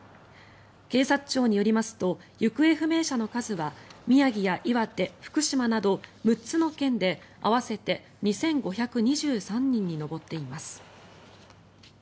警察庁によりますと行方不明者の数は宮城や岩手、福島など６つの県で合わせて２５２３人に上っています。